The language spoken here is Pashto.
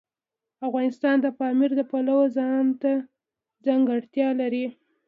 افغانستان د پامیر د پلوه ځانته ځانګړتیا لري.